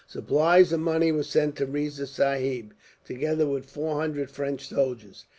Supplies of money were sent to Riza Sahib, together with four hundred French soldiers.